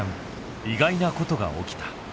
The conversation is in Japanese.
意外なことが起きた。